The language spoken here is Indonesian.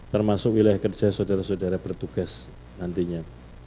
termasuk wilayah kerja saudara saudara bertugas nantinya